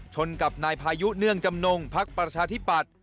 กับนายพายุเนื่องจำนงภักดิ์ประชาธิปัตย